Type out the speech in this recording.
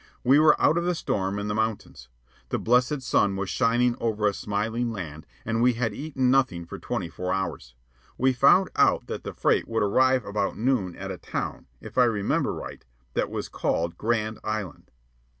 We were out of the storm and the mountains. The blessed sun was shining over a smiling land, and we had eaten nothing for twenty four hours. We found out that the freight would arrive about noon at a town, if I remember right, that was called Grand Island.